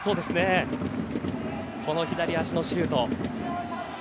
左足のシュート。